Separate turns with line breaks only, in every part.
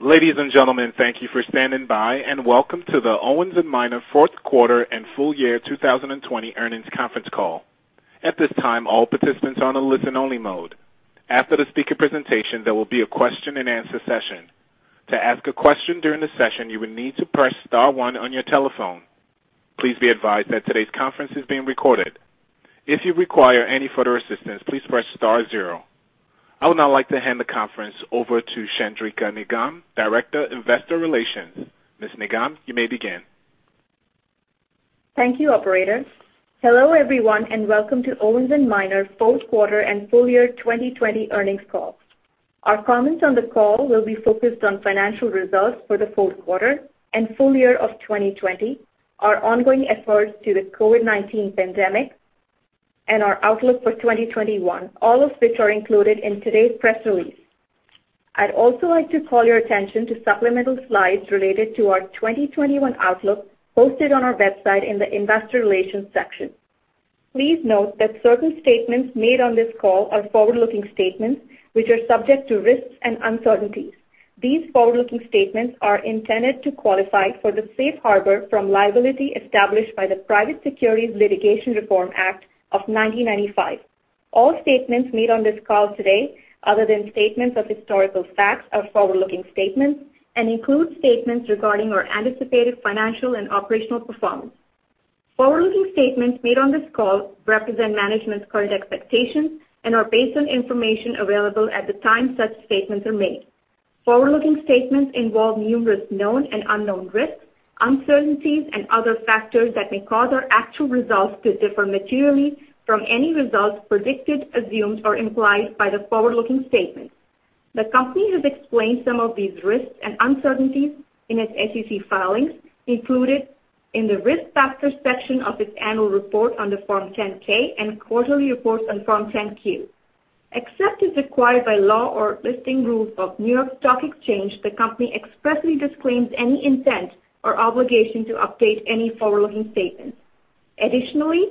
Ladies and gentlemen, thank you for standing by and welcome to the Owens & Minor fourth quarter and full year 2020 earnings conference call. At this time, all participants are on a listen-only mode. After the speaker presentation, there will be a question and answer session. To ask a question during the session, you will need to press star one on your telephone. Please be advised that today's conference is being recorded. If you require any further assistance, please press star zero. I would now like to hand the conference over to Chandrika Nigam, Director of Investor Relations. Ms. Nigam, you may begin.
Thank you, operator. Hello, everyone, and welcome to Owens & Minor fourth quarter and full year 2020 earnings call. Our comments on the call will be focused on financial results for the fourth quarter and full year of 2020, our ongoing efforts to the COVID-19 pandemic, and our outlook for 2021, all of which are included in today's press release. I'd also like to call your attention to supplemental slides related to our 2021 outlook, posted on our website in the investor relations section. Please note that certain statements made on this call are forward-looking statements, which are subject to risks and uncertainties. These forward-looking statements are intended to qualify for the safe harbor from liability established by the Private Securities Litigation Reform Act of 1995. All statements made on this call today, other than statements of historical facts, are forward-looking statements and include statements regarding our anticipated financial and operational performance. Forward-looking statements made on this call represent management's current expectations and are based on information available at the time such statements are made. Forward-looking statements involve numerous known and unknown risks, uncertainties and other factors that may cause our actual results to differ materially from any results predicted, assumed or implied by the forward-looking statements. The company has explained some of these risks and uncertainties in its SEC filings, included in the risk factors section of its annual report on the Form 10-K and quarterly reports on Form 10-Q. Except as required by law or listing rules of New York Stock Exchange, the company expressly disclaims any intent or obligation to update any forward-looking statements. Additionally,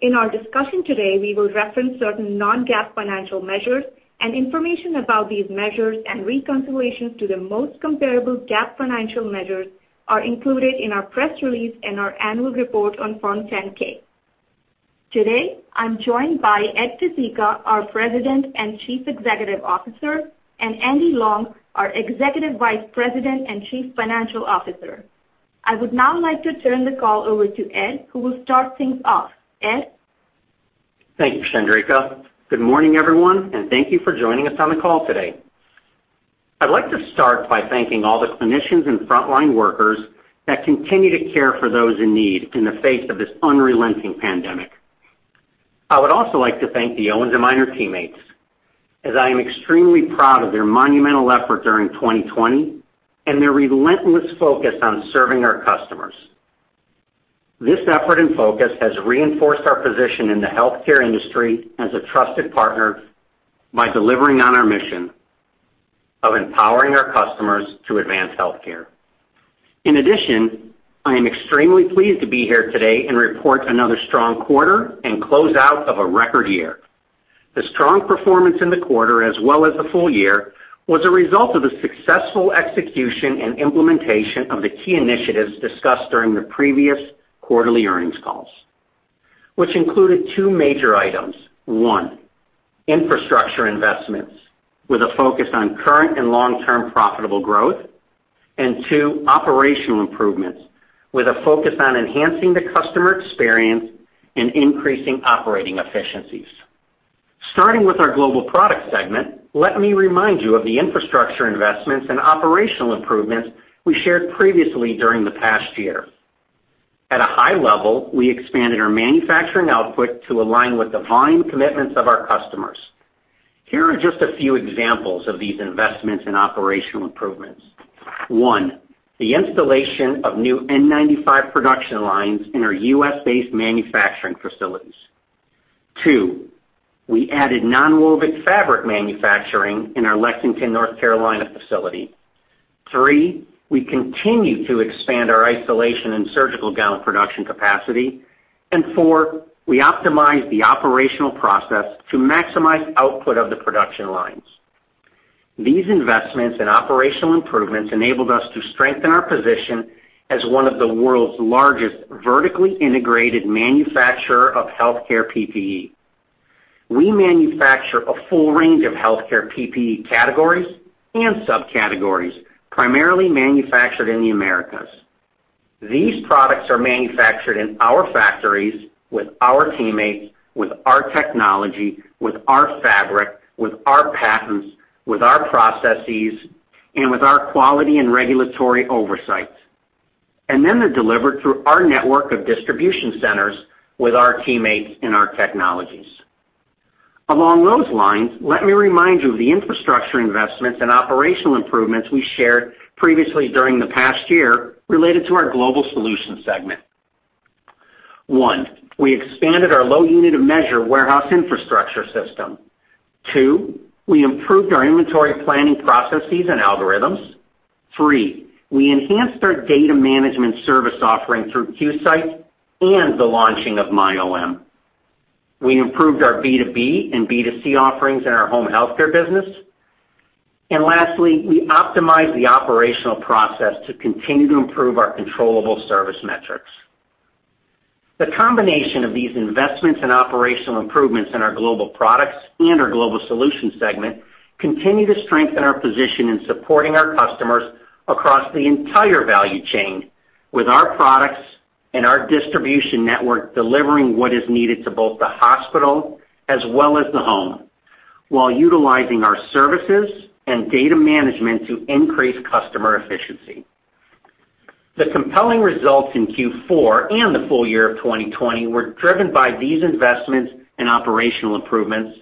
in our discussion today, we will reference certain non-GAAP financial measures, and information about these measures and reconciliations to the most comparable GAAP financial measures are included in our press release and our annual report on Form 10-K. Today, I'm joined by Ed Pesicka, our President and Chief Executive Officer, and Andy Long, our Executive Vice President and Chief Financial Officer. I would now like to turn the call over to Ed, who will start things off. Ed?
Thank you, Chandrika. Good morning, everyone, and thank you for joining us on the call today. I'd like to start by thanking all the clinicians and frontline workers that continue to care for those in need in the face of this unrelenting pandemic. I would also like to thank the Owens & Minor teammates, as I am extremely proud of their monumental effort during 2020 and their relentless focus on serving our customers. This effort and focus has reinforced our position in the healthcare industry as a trusted partner by delivering on our mission of empowering our customers to advance healthcare. In addition, I am extremely pleased to be here today and report another strong quarter and close out of a record year. The strong performance in the quarter, as well as the full year, was a result of the successful execution and implementation of the key initiatives discussed during the previous quarterly earnings calls, which included two major items. One, infrastructure investments, with a focus on current and long-term profitable growth. Two, operational improvements, with a focus on enhancing the customer experience and increasing operating efficiencies. Starting with our Global Products segment, let me remind you of the infrastructure investments and operational improvements we shared previously during the past year. At a high level, we expanded our manufacturing output to align with the volume commitments of our customers. Here are just a few examples of these investments and operational improvements. One, the installation of new N95 production lines in our U.S.-based manufacturing facilities. Two, we added nonwoven fabric manufacturing in our Lexington, North Carolina, facility. Three, we continue to expand our isolation and surgical gown production capacity. Four, we optimized the operational process to maximize output of the production lines. These investments and operational improvements enabled us to strengthen our position as one of the world's largest vertically integrated manufacturer of healthcare PPE. We manufacture a full range of healthcare PPE categories and subcategories, primarily manufactured in the Americas. These products are manufactured in our factories, with our teammates, with our technology, with our fabric, with our patents, with our processes, and with our quality and regulatory oversight. They're delivered through our network of distribution centers with our teammates and our technologies. Along those lines, let me remind you of the infrastructure investments and operational improvements we shared previously during the past year related to our Global Solutions segment. One, we expanded our low unit of measure warehouse infrastructure system. Two, we improved our inventory planning processes and algorithms. Three, we enhanced our data management service offering through QSight and the launching of MyOM. We improved our B2B and B2C offerings in our home healthcare business. Lastly, we optimized the operational process to continue to improve our controllable service metrics. The combination of these investments and operational improvements in our Global Products and our Global Solutions segment continue to strengthen our position in supporting our customers across the entire value chain, with our products and our distribution network delivering what is needed to both the hospital as well as the home, while utilizing our services and data management to increase customer efficiency. The compelling results in Q4 and the full year of 2020 were driven by these investments and operational improvements,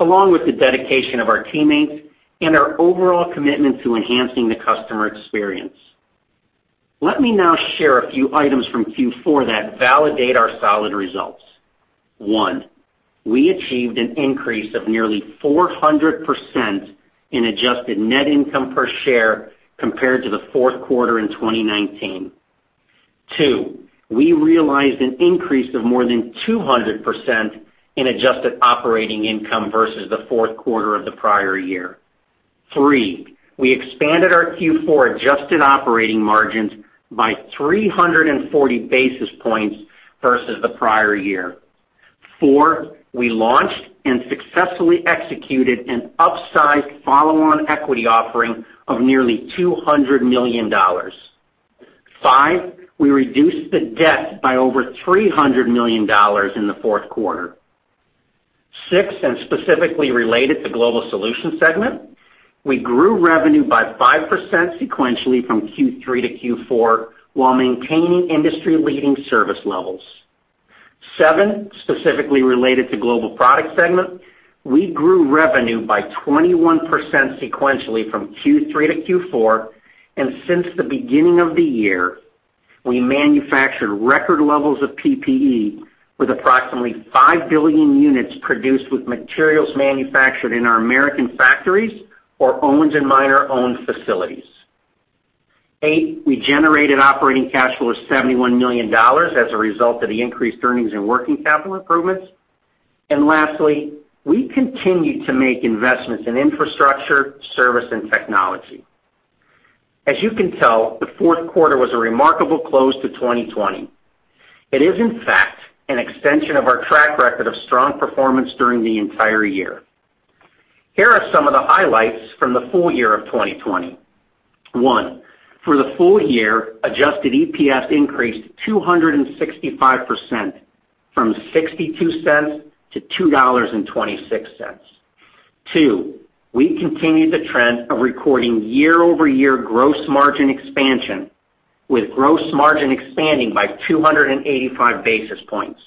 along with the dedication of our teammates and our overall commitment to enhancing the customer experience. Let me now share a few items from Q4 that validate our solid results. One, we achieved an increase of nearly 400% in adjusted net income per share compared to the fourth quarter in 2019. Two, we realized an increase of more than 200% in adjusted operating income versus the fourth quarter of the prior year. Three, we expanded our Q4 adjusted operating margins by 340 basis points versus the prior year. Four, we launched and successfully executed an upsized follow-on equity offering of nearly $200 million. Five, we reduced the debt by over $300 million in the fourth quarter. Six, specifically related to Global Solutions segment, we grew revenue by 5% sequentially from Q3 to Q4 while maintaining industry-leading service levels. Seven, specifically related to Global Products segment, we grew revenue by 21% sequentially from Q3 to Q4, and since the beginning of the year, we manufactured record levels of PPE with approximately 5 billion units produced with materials manufactured in our American factories or Owens & Minor-owned facilities. Eight, we generated operating cash flow of $71 million as a result of the increased earnings and working capital improvements. Lastly, we continued to make investments in infrastructure, service, and technology. As you can tell, the fourth quarter was a remarkable close to 2020. It is, in fact, an extension of our track record of strong performance during the entire year. Here are some of the highlights from the full year of 2020. One, for the full year, adjusted EPS increased 265%, from $0.62 to $2.26. Two, we continued the trend of recording year-over-year gross margin expansion, with gross margin expanding by 285 basis points.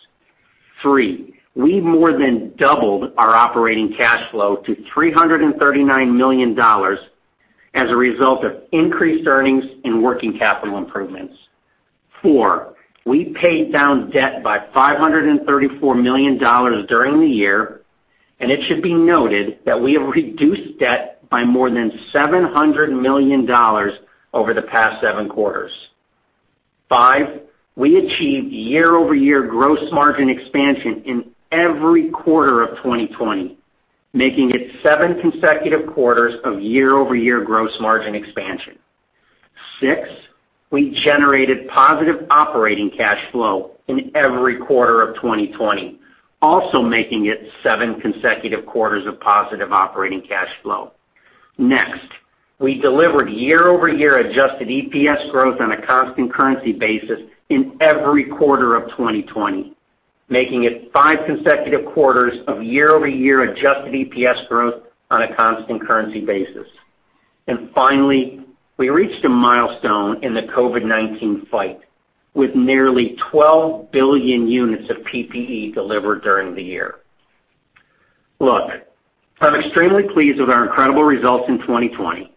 Three, we more than doubled our operating cash flow to $339 million as a result of increased earnings and working capital improvements. Four, we paid down debt by $534 million during the year, and it should be noted that we have reduced debt by more than $700 million over the past seven quarters. Five, we achieved year-over-year gross margin expansion in every quarter of 2020, making it seven consecutive quarters of year-over-year gross margin expansion. Six, we generated positive operating cash flow in every quarter of 2020, also making it seven consecutive quarters of positive operating cash flow. Next, we delivered year-over-year adjusted EPS growth on a constant currency basis in every quarter of 2020, making it five consecutive quarters of year-over-year adjusted EPS growth on a constant currency basis. Finally, we reached a milestone in the COVID-19 fight, with nearly 12 billion units of PPE delivered during the year. Look, I'm extremely pleased with our incredible results in 2020,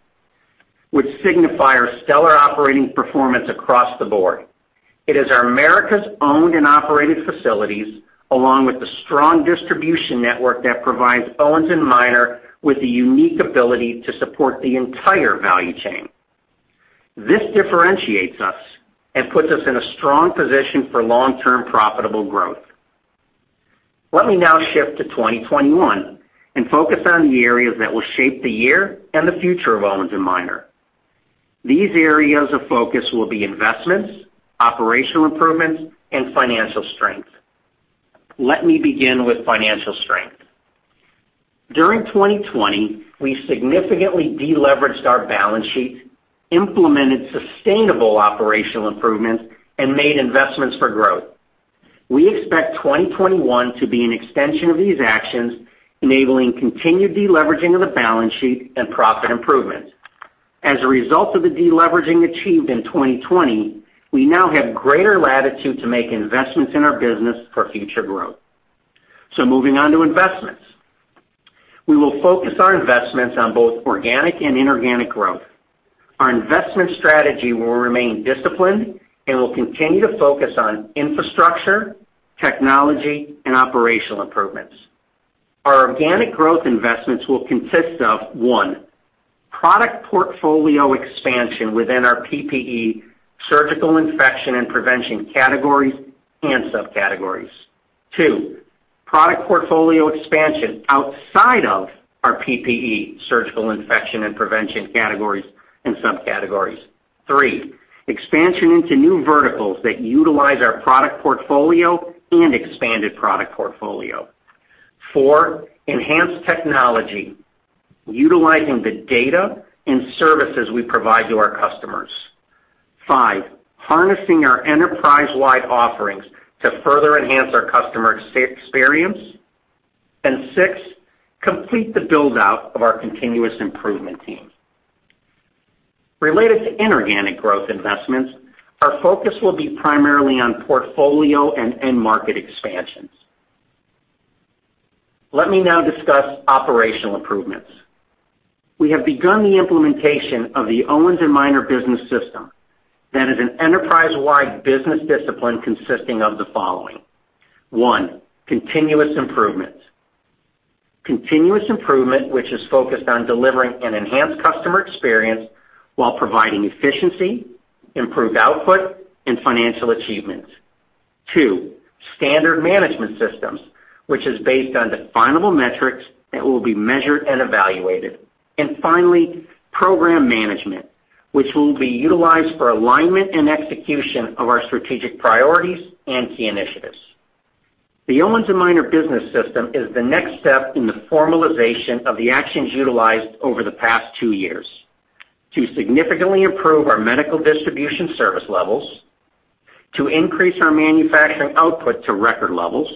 which signify our stellar operating performance across the board. It is our America's owned and operated facilities, along with the strong distribution network, that provides Owens & Minor with the unique ability to support the entire value chain. This differentiates us and puts us in a strong position for long-term profitable growth. Let me now shift to 2021 and focus on the areas that will shape the year and the future of Owens & Minor. These areas of focus will be investments, operational improvements, and financial strength. Let me begin with financial strength. During 2020, we significantly deleveraged our balance sheet, implemented sustainable operational improvements, and made investments for growth. We expect 2021 to be an extension of these actions, enabling continued deleveraging of the balance sheet and profit improvements. As a result of the deleveraging achieved in 2020, we now have greater latitude to make investments in our business for future growth. Moving on to investments. We will focus our investments on both organic and inorganic growth. Our investment strategy will remain disciplined and will continue to focus on infrastructure, technology, and operational improvements. Our organic growth investments will consist of, one, product portfolio expansion within our PPE surgical infection and prevention categories and subcategories. Two. product portfolio expansion outside of our PPE surgical infection and prevention categories and subcategories. Three. expansion into new verticals that utilize our product portfolio and expanded product portfolio. Four. enhanced technology utilizing the data and services we provide to our customers. Five. harnessing our enterprise-wide offerings to further enhance our customer experience. Six, complete the build-out of our continuous improvement team. Related to inorganic growth investments, our focus will be primarily on portfolio and end market expansions. Let me now discuss operational improvements. We have begun the implementation of the Owens & Minor Business System. That is an enterprise-wide business discipline consisting of the following. One, continuous improvement. Continuous improvement, which is focused on delivering an enhanced customer experience while providing efficiency, improved output, and financial achievements. Two, standard management systems, which is based on definable metrics that will be measured and evaluated. Finally, program management, which will be utilized for alignment and execution of our strategic priorities and key initiatives. The Owens & Minor Business System is the next step in the formalization of the actions utilized over the past two years to significantly improve our medical distribution service levels, to increase our manufacturing output to record levels,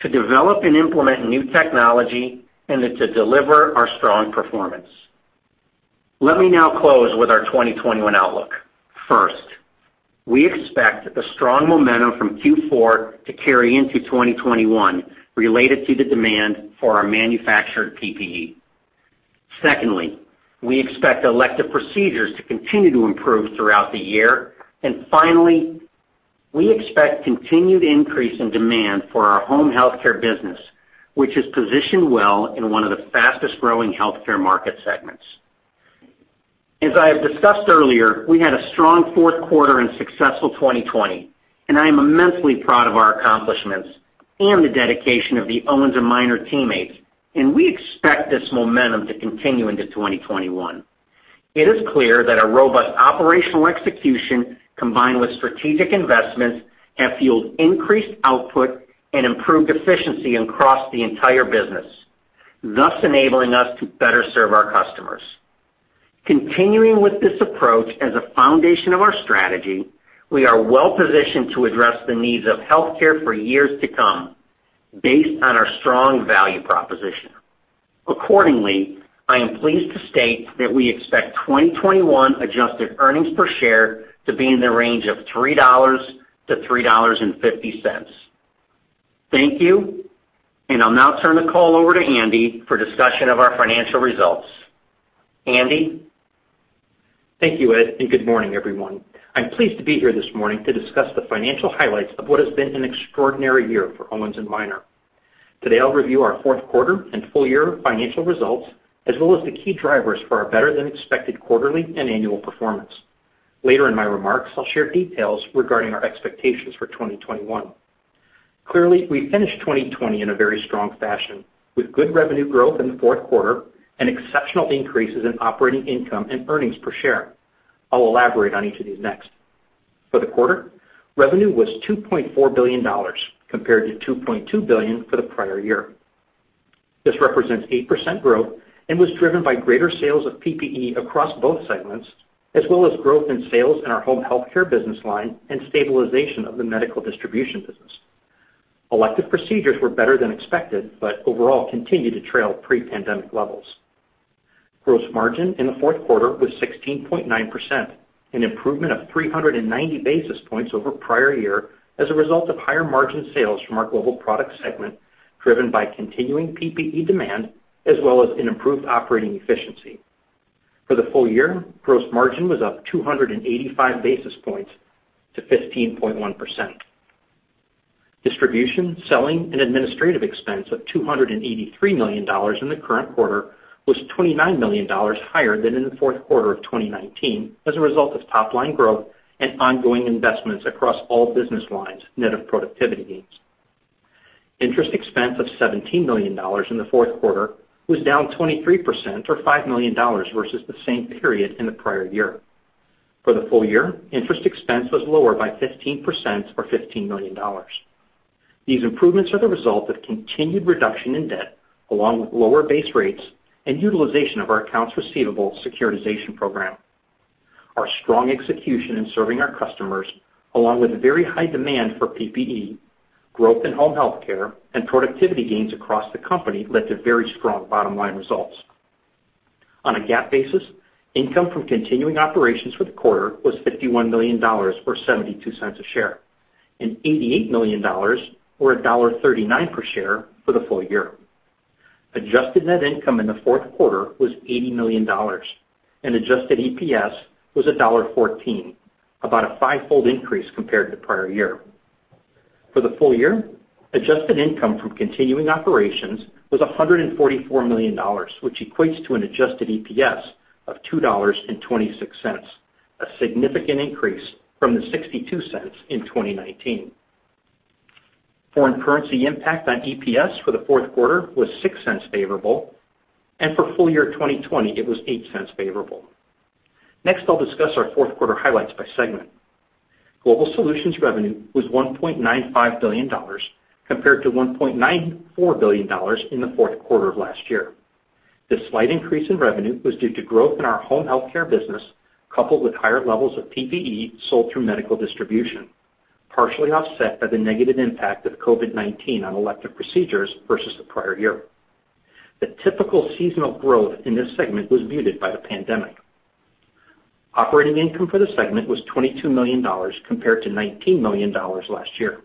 to develop and implement new technology, and then to deliver our strong performance. Let me now close with our 2021 outlook. First, we expect the strong momentum from Q4 to carry into 2021 related to the demand for our manufactured PPE. Secondly, we expect elective procedures to continue to improve throughout the year. Finally, we expect continued increase in demand for our home healthcare business, which is positioned well in one of the fastest-growing healthcare market segments. As I have discussed earlier, we had a strong fourth quarter and successful 2020, and I am immensely proud of our accomplishments and the dedication of the Owens & Minor teammates, and we expect this momentum to continue into 2021. It is clear that a robust operational execution, combined with strategic investments, have fueled increased output and improved efficiency across the entire business, thus enabling us to better serve our customers. Continuing with this approach as a foundation of our strategy, we are well-positioned to address the needs of healthcare for years to come based on our strong value proposition. Accordingly, I am pleased to state that we expect 2021 adjusted earnings per share to be in the range of $3-$3.50. Thank you. I'll now turn the call over to Andy for a discussion of our financial results. Andy?
Thank you, Ed. Good morning, everyone. I'm pleased to be here this morning to discuss the financial highlights of what has been an extraordinary year for Owens & Minor. Today, I'll review our fourth quarter and full year financial results, as well as the key drivers for our better-than-expected quarterly and annual performance. Later in my remarks, I'll share details regarding our expectations for 2021. Clearly, we finished 2020 in a very strong fashion, with good revenue growth in the fourth quarter and exceptional increases in operating income and earnings per share. I'll elaborate on each of these next. For the quarter, revenue was $2.4 billion, compared to $2.2 billion for the prior year. This represents 8% growth and was driven by greater sales of PPE across both segments, as well as growth in sales in our home healthcare business line and stabilization of the medical distribution business. Elective procedures were better than expected, but overall continued to trail pre-pandemic levels. Gross margin in the fourth quarter was 16.9%, an improvement of 390 basis points over prior year as a result of higher-margin sales from our global product segment, driven by continuing PPE demand, as well as an improved operating efficiency. For the full year, gross margin was up 285 basis points to 15.1%. Distribution, selling, and administrative expense of $283 million in the current quarter was $29 million higher than in the fourth quarter of 2019 as a result of top-line growth and ongoing investments across all business lines, net of productivity gains. Interest expense of $17 million in the fourth quarter was down 23%, or $5 million, versus the same period in the prior year. For the full year, interest expense was lower by 15%, or $15 million. These improvements are the result of continued reduction in debt, along with lower base rates and utilization of our accounts receivable securitization program. Our strong execution in serving our customers, along with very high demand for PPE, growth in home healthcare, and productivity gains across the company led to very strong bottom-line results. On a GAAP basis, income from continuing operations for the quarter was $51 million, or $0.72 a share, and $88 million, or $1.39 per share, for the full year. Adjusted net income in the fourth quarter was $80 million, and adjusted EPS was $1.14, about a five-fold increase compared to the prior year. For the full year, adjusted income from continuing operations was $144 million, which equates to an adjusted EPS of $2.26, a significant increase from the $0.62 in 2019. Foreign currency impact on EPS for the fourth quarter was $0.06 favorable, and for full year 2020, it was $0.08 favorable. Next, I'll discuss our fourth quarter highlights by segment. Global Solutions revenue was $1.95 billion, compared to $1.94 billion in the fourth quarter of last year. This slight increase in revenue was due to growth in our home healthcare business, coupled with higher levels of PPE sold through medical distribution, partially offset by the negative impact of COVID-19 on elective procedures versus the prior year. The typical seasonal growth in this segment was muted by the pandemic. Operating income for the segment was $22 million, compared to $19 million last year.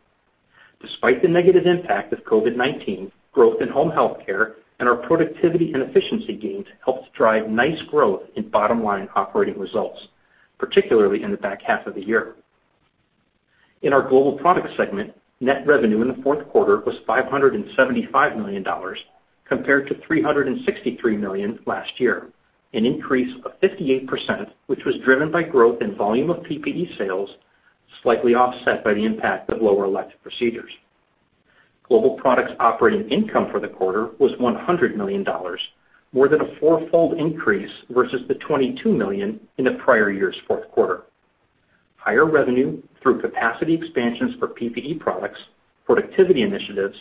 Despite the negative impact of COVID-19, growth in home healthcare and our productivity and efficiency gains helped drive nice growth in bottom-line operating results, particularly in the back half of the year. In our Global Products segment, net revenue in the fourth quarter was $575 million, compared to $363 million last year, an increase of 58%, which was driven by growth in volume of PPE sales, slightly offset by the impact of lower elective procedures. Global Products operating income for the quarter was $100 million, more than a four-fold increase versus the $22 million in the prior year's fourth quarter. Higher revenue through capacity expansions for PPE products, productivity initiatives,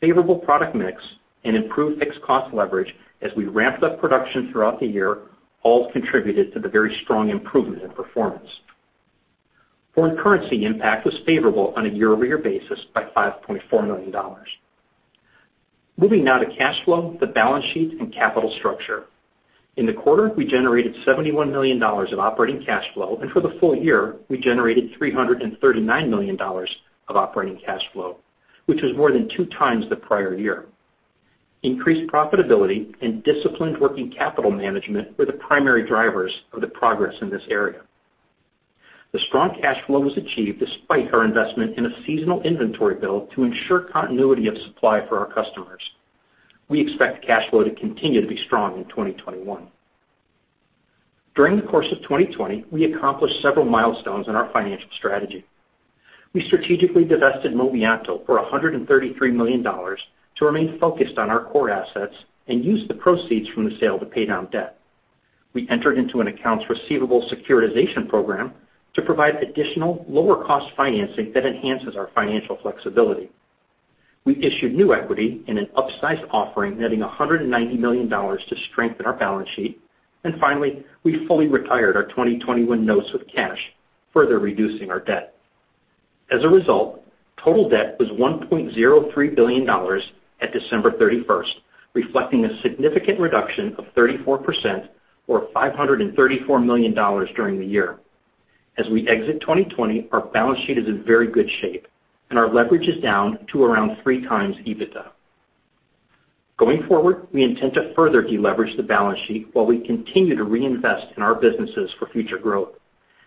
favorable product mix, and improved fixed cost leverage as we ramped up production throughout the year all contributed to the very strong improvement in performance. Foreign currency impact was favorable on a year-over-year basis by $5.4 million. Moving now to cash flow, the balance sheet, and capital structure. In the quarter, we generated $71 million of operating cash flow, and for the full year, we generated $339 million of operating cash flow, which was more than two times the prior year. Increased profitability and disciplined working capital management were the primary drivers of the progress in this area. The strong cash flow was achieved despite our investment in a seasonal inventory build to ensure continuity of supply for our customers. We expect cash flow to continue to be strong in 2021. During the course of 2020, we accomplished several milestones in our financial strategy. We strategically divested Movianto for $133 million to remain focused on our core assets and used the proceeds from the sale to pay down debt. We entered into an accounts receivable securitization program to provide additional lower-cost financing that enhances our financial flexibility. We issued new equity in an upsized offering, netting $190 million to strengthen our balance sheet. Finally, we fully retired our 2021 notes with cash, further reducing our debt. As a result, total debt was $1.03 billion at December 31st, reflecting a significant reduction of 34%, or $534 million during the year. As we exit 2020, our balance sheet is in very good shape, and our leverage is down to around 3x EBITDA. Going forward, we intend to further deleverage the balance sheet while we continue to reinvest in our businesses for future growth.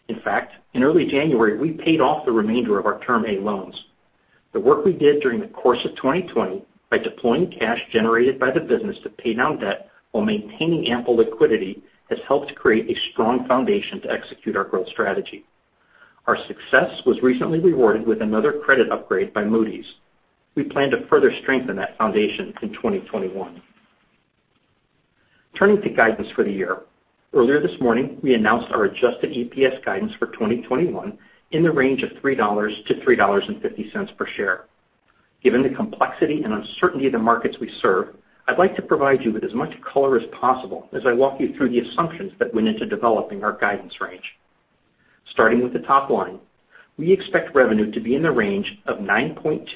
In fact, in early January, we paid off the remainder of our Term A loans. The work we did during the course of 2020 by deploying cash generated by the business to pay down debt while maintaining ample liquidity has helped create a strong foundation to execute our growth strategy. Our success was recently rewarded with another credit upgrade by Moody's. We plan to further strengthen that foundation in 2021. Turning to guidance for the year. Earlier this morning, we announced our adjusted EPS guidance for 2021 in the range of $3-$3.50 per share. Given the complexity and uncertainty of the markets we serve, I'd like to provide you with as much color as possible as I walk you through the assumptions that went into developing our guidance range. Starting with the top line, we expect revenue to be in the range of $9.2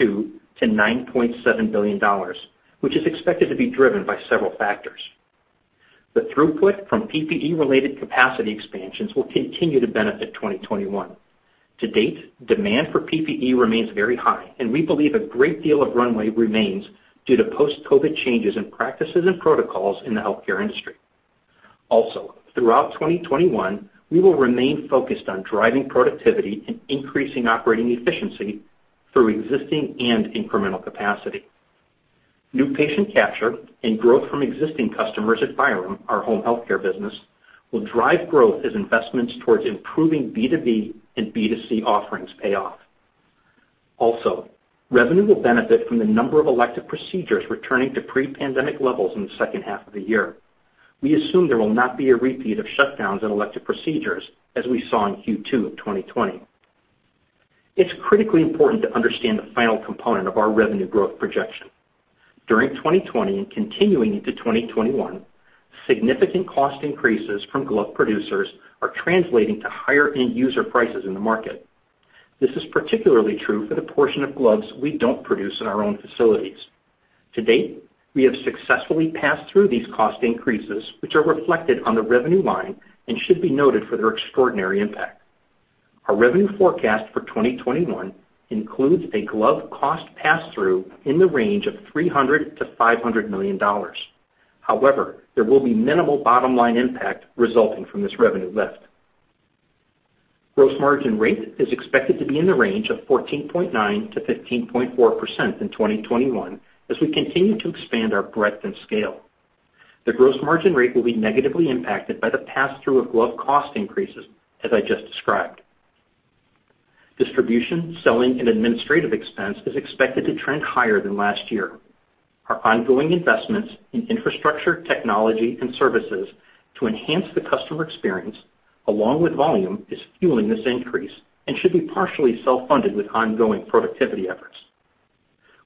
billion-$9.7 billion, which is expected to be driven by several factors. The throughput from PPE-related capacity expansions will continue to benefit 2021. To date, demand for PPE remains very high, and we believe a great deal of runway remains due to post-COVID changes in practices and protocols in the healthcare industry. Throughout 2021, we will remain focused on driving productivity and increasing operating efficiency through existing and incremental capacity. New patient capture and growth from existing customers at Byram, our home healthcare business, will drive growth as investments towards improving B2B and B2C offerings pay off. Revenue will benefit from the number of elective procedures returning to pre-pandemic levels in the second half of the year. We assume there will not be a repeat of shutdowns in elective procedures as we saw in Q2 of 2020. It's critically important to understand the final component of our revenue growth projection. During 2020 and continuing into 2021, significant cost increases from glove producers are translating to higher end user prices in the market. This is particularly true for the portion of gloves we don't produce in our own facilities. To date, we have successfully passed through these cost increases, which are reflected on the revenue line and should be noted for their extraordinary impact. Our revenue forecast for 2021 includes a glove cost pass-through in the range of $300 million-$500 million. However, there will be minimal bottom-line impact resulting from this revenue lift. Gross margin rate is expected to be in the range of 14.9%-15.4% in 2021, as we continue to expand our breadth and scale. The gross margin rate will be negatively impacted by the pass-through of glove cost increases, as I just described. Distribution, selling, and administrative expense is expected to trend higher than last year. Our ongoing investments in infrastructure, technology, and services to enhance the customer experience, along with volume, is fueling this increase and should be partially self-funded with ongoing productivity efforts.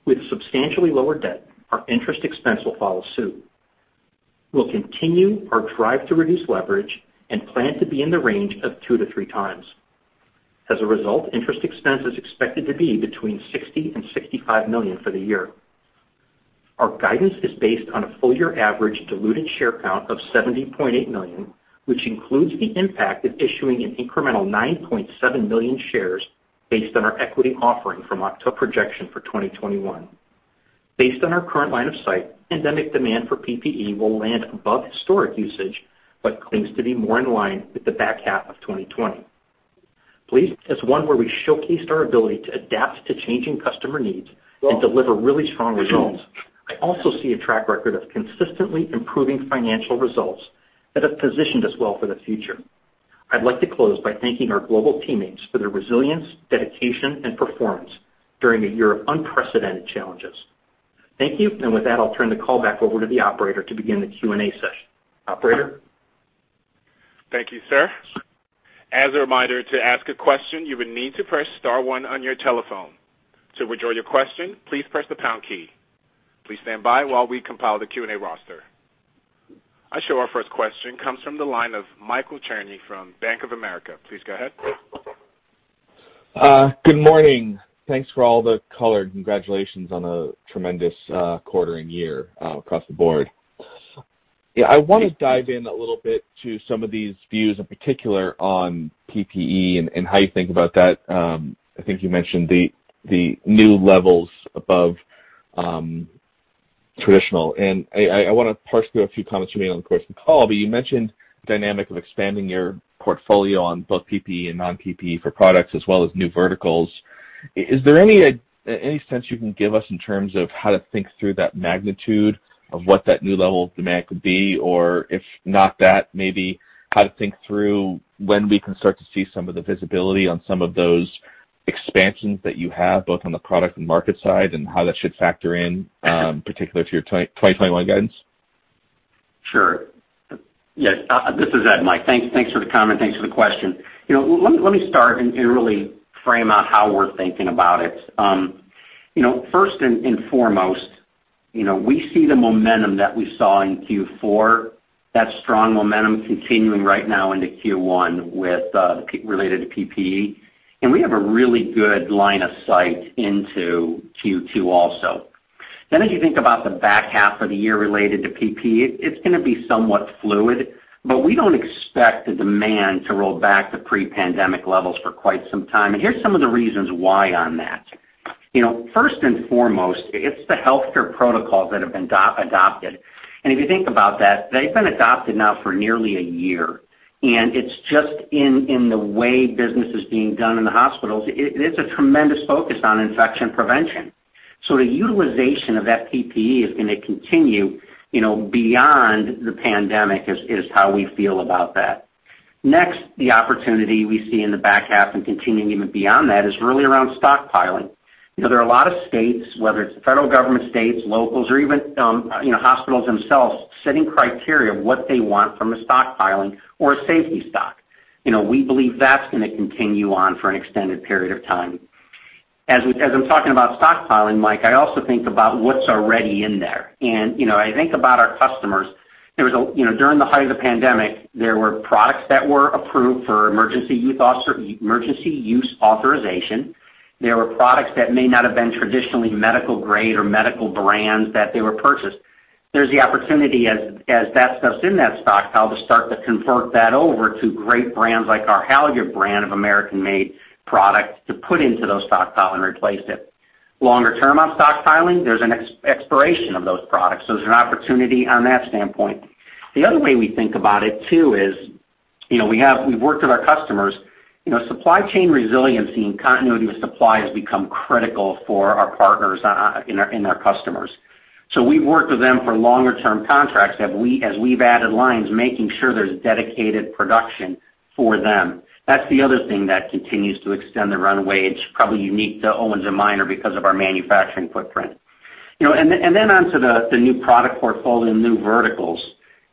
With substantially lower debt, our interest expense will follow suit. We'll continue our drive to reduce leverage and plan to be in the range of two to three times. As a result, interest expense is expected to be between $60 million and $65 million for the year. Our guidance is based on a full-year average diluted share count of 70.8 million, which includes the impact of issuing an incremental 9.7 million shares based on our equity offering from October projection for 2021. Based on our current line of sight, pandemic demand for PPE will land above historic usage but claims to be more in line with the back half of 2020. We believe as one where we showcased our ability to adapt to changing customer needs and deliver really strong results. I also see a track record of consistently improving financial results that have positioned us well for the future. I'd like to close by thanking our global teammates for their resilience, dedication, and performance during a year of unprecedented challenges. Thank you. With that, I'll turn the call back over to the operator to begin the Q&A session. Operator?
Thank you, sir. As a reminder, to ask a question, you would need to press star one on your telephone. To withdraw your question, please press the pound key. Please stand by while we compile the Q&A roster. I show our first question comes from the line of Michael Cherny from Bank of America. Please go ahead.
Good morning. Thanks for all the color. Congratulations on a tremendous quarter and year across the board. I want to dive in a little bit to some of these views, in particular on PPE and how you think about that. I think you mentioned the new levels above traditional, and I want to parse through a few comments you made on the course of the call, but you mentioned the dynamic of expanding your portfolio on both PPE and non-PPE for products as well as new verticals. Is there any sense you can give us in terms of how to think through that magnitude of what that new level of demand could be? If not that, maybe how to think through when we can start to see some of the visibility on some of those expansions that you have, both on the product and market side, and how that should factor in, particularly for your 2021 guidance?
Sure. Yes, this is Ed, Mike. Thanks for the comment. Thanks for the question. Let me start and really frame out how we're thinking about it. First and foremost, we see the momentum that we saw in Q4, that strong momentum continuing right now into Q1 related to PPE. We have a really good line of sight into Q2 also. As you think about the back half of the year related to PPE, it's going to be somewhat fluid, but we don't expect the demand to roll back to pre-pandemic levels for quite some time. Here's some of the reasons why on that. First and foremost, it's the healthcare protocols that have been adopted. If you think about that, they've been adopted now for nearly a year, and it's just in the way business is being done in the hospitals. It's a tremendous focus on infection prevention. The utilization of that PPE is going to continue, beyond the pandemic, is how we feel about that. Next, the opportunity we see in the back half and continuing even beyond that is really around stockpiling. There are a lot of states, whether it's the federal government, states, locals, or even hospitals themselves, setting criteria of what they want from a stockpiling or a safety stock. We believe that's going to continue on for an extended period of time. As I'm talking about stockpiling, Mike, I also think about what's already in there. I think about our customers. During the height of the pandemic, there were products that were approved for emergency use authorization. There were products that may not have been traditionally medical grade or medical brands that they were purchased. There's the opportunity as that stuff's in that stockpile to start to convert that over to great brands like our HALYARD brand of American-made product to put into those stockpile and replace it. Longer term on stockpiling, there's an expiration of those products. There's an opportunity on that standpoint. The other way we think about it too is, we've worked with our customers. Supply chain resiliency and continuity of supply has become critical for our partners and our customers. We've worked with them for longer-term contracts as we've added lines, making sure there's dedicated production for them. That's the other thing that continues to extend the runway. It's probably unique to Owens & Minor because of our manufacturing footprint. Then onto the new product portfolio, new verticals.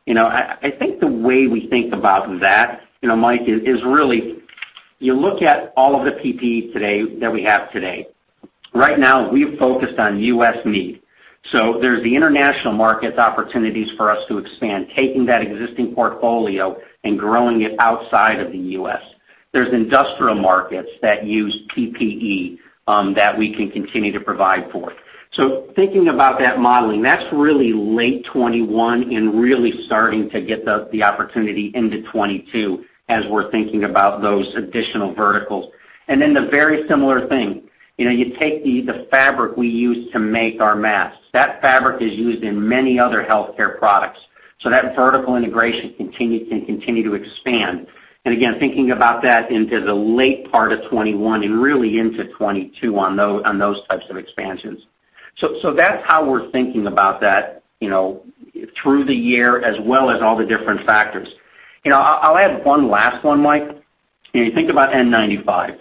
I think the way we think about that, Mike, is really you look at all of the PPE that we have today. Right now, we've focused on U.S. need. There's the international markets opportunities for us to expand, taking that existing portfolio and growing it outside of the U.S. There's industrial markets that use PPE that we can continue to provide for. Thinking about that modeling, that's really late 2021 and really starting to get the opportunity into 2022 as we're thinking about those additional verticals. You take the fabric we use to make our masks. That fabric is used in many other healthcare products, that vertical integration can continue to expand. Again, thinking about that into the late part of 2021, and really into 2022 on those types of expansions. That's how we're thinking about that through the year, as well as all the different factors. I'll add one last one, Mike. You think about N95s.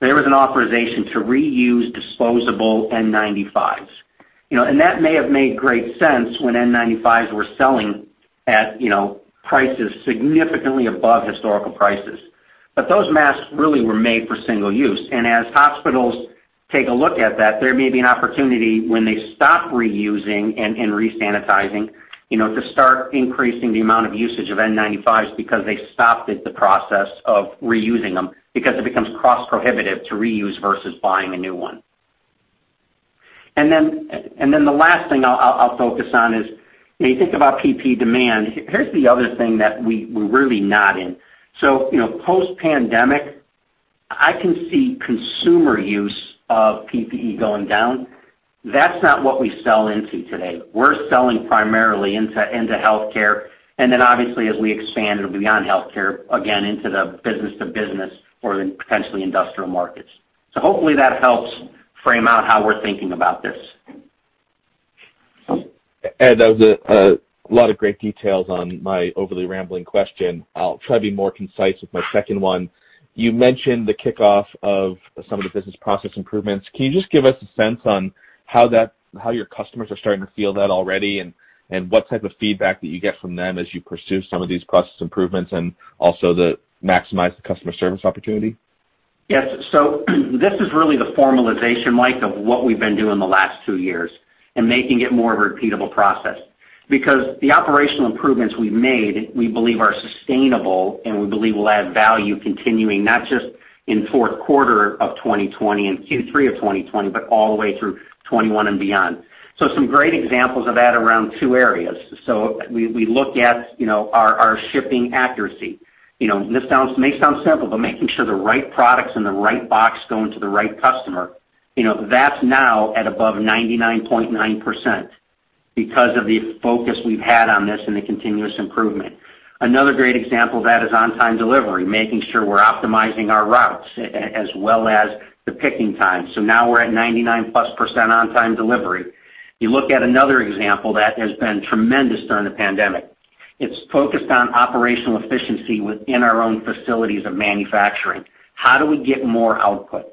There was an authorization to reuse disposable N95s. That may have made great sense when N95s were selling at prices significantly above historical prices. Those masks really were made for single use, and as hospitals take a look at that, there may be an opportunity when they stop reusing and re-sanitizing, to start increasing the amount of usage of N95s because they stopped the process of reusing them because it becomes cost prohibitive to reuse versus buying a new one. The last thing I'll focus on is, when you think about PPE demand, here's the other thing that we're really not in. Post-pandemic, I can see consumer use of PPE going down. That's not what we sell into today. We're selling primarily into healthcare, and then obviously as we expand beyond healthcare, again, into the business-to-business or potentially industrial markets. Hopefully that helps frame out how we're thinking about this.
Ed, that was a lot of great details on my overly rambling question. I'll try to be more concise with my second one. You mentioned the kickoff of some of the business process improvements. Can you just give us a sense on how your customers are starting to feel that already, and what type of feedback that you get from them as you pursue some of these process improvements, and also to maximize the customer service opportunity?
Yes. This is really the formalization, Mike, of what we've been doing the last two years, and making it more of a repeatable process. Because the operational improvements we've made, we believe are sustainable, and we believe will add value continuing not just in fourth quarter of 2020 and Q3 of 2020, but all the way through 2021 and beyond. Some great examples of that around two areas. We look at our shipping accuracy. This may sound simple, but making sure the right product's in the right box going to the right customer, that's now at above 99.9% because of the focus we've had on this and the continuous improvement. Another great example of that is on-time delivery, making sure we're optimizing our routes as well as the picking time. Now we're at 99-plus percent on-time delivery. You look at another example that has been tremendous during the pandemic. It's focused on operational efficiency within our own facilities of manufacturing. How do we get more output?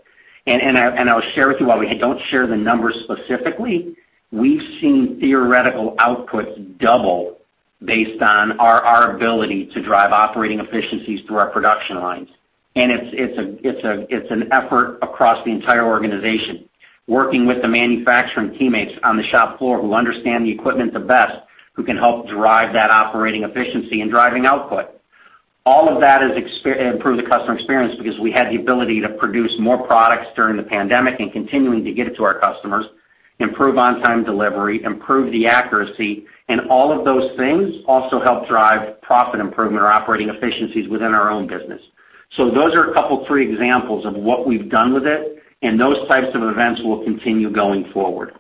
I'll share with you, while we don't share the numbers specifically, we've seen theoretical outputs double based on our ability to drive operating efficiencies through our production lines. It's an effort across the entire organization, working with the manufacturing teammates on the shop floor who understand the equipment the best, who can help drive that operating efficiency and driving output. All of that has improved the customer experience because we had the ability to produce more products during the pandemic and continuing to get it to our customers, improve on-time delivery, improve the accuracy, and all of those things also help drive profit improvement or operating efficiencies within our own business. Those are a couple, three examples of what we've done with it, and those types of events will continue going forward.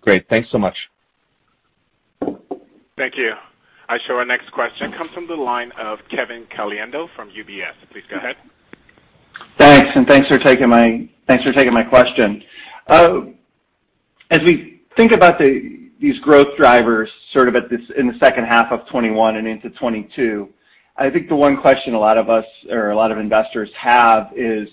Great. Thanks so much.
Thank you. I show our next question comes from the line of Kevin Caliendo from UBS. Please go ahead.
Thanks, and thanks for taking my question. As we think about these growth drivers sort of in the second half of 2021 and into 2022, I think the one question a lot of us or a lot of investors have is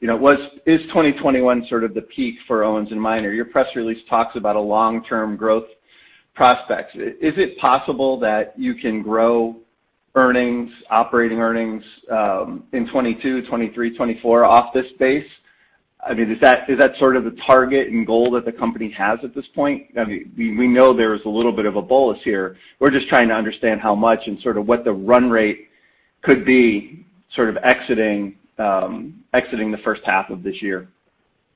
2021 sort of the peak for Owens & Minor? Your press release talks about a long-term growth prospect. Is it possible that you can grow earnings, operating earnings, in 2022, 2023, 2024 off this base? Is that sort of the target and goal that the company has at this point? We know there is a little bit of a bolus here. We're just trying to understand how much and sort of what the run rate could be exiting the first half of this year.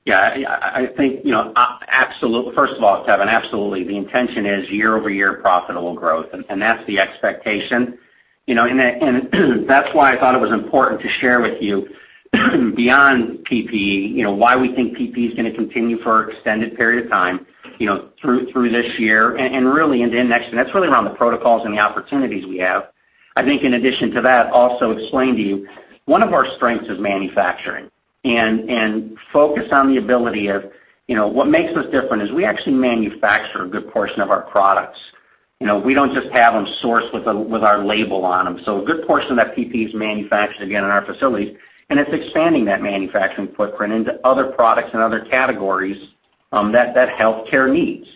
Yeah. First of all, Kevin, absolutely. The intention is year-over-year profitable growth, and that's the expectation. That's why I thought it was important to share with you beyond PPE, why we think PPE is going to continue for an extended period of time through this year and really into next. That's really around the protocols and the opportunities we have. I think in addition to that, also explain to you, one of our strengths is manufacturing. Focus on the ability of, what makes us different is we actually manufacture a good portion of our products. We don't just have them sourced with our label on them. A good portion of that PPE is manufactured, again, in our facilities, and it's expanding that manufacturing footprint into other products and other categories that healthcare needs.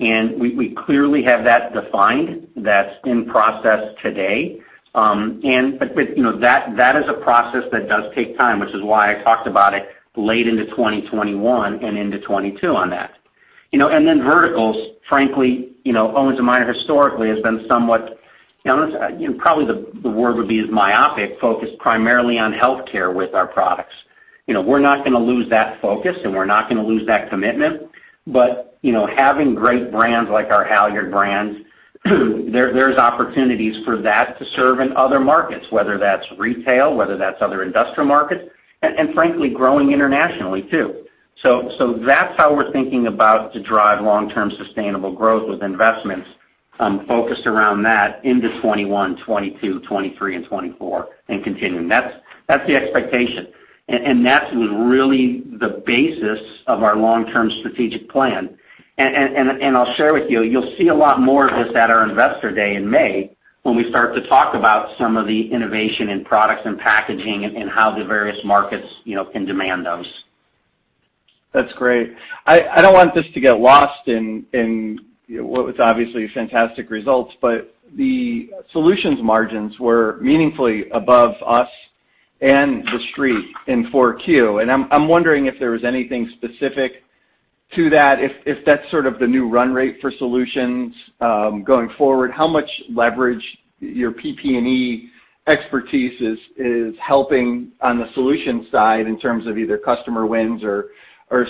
We clearly have that defined. That's in process today. That is a process that does take time, which is why I talked about it late into 2021 and into 2022 on that. Verticals, frankly, Owens & Minor historically has been somewhat, probably the word would be as myopic, focused primarily on healthcare with our products. We're not going to lose that focus, and we're not going to lose that commitment. Having great brands like our HALYARD brands, there's opportunities for that to serve in other markets, whether that's retail, whether that's other industrial markets, and frankly, growing internationally, too. That's how we're thinking about to drive long-term sustainable growth with investments focused around that into 2021, 2022, 2023, and 2024, and continuing. That's the expectation, and that was really the basis of our long-term strategic plan. I'll share with you'll see a lot more of this at our investor day in May when we start to talk about some of the innovation in products and packaging, and how the various markets can demand those.
That's great. I don't want this to get lost in what was obviously fantastic results. The Global Solutions margins were meaningfully above us and the street in 4Q. I'm wondering if there was anything specific to that, if that's sort of the new run rate for Global Solutions going forward. How much leverage your PPE expertise is helping on the Global Solutions side in terms of either customer wins or